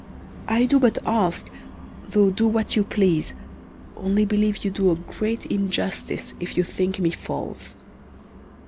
I do but ask, though do what you please, only believe you do a great injustice if you think me false.